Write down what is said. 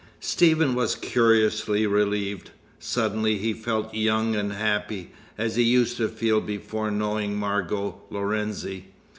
Stephen was curiously relieved. Suddenly he felt young and happy, as he used to feel before knowing Margot Lorenzi.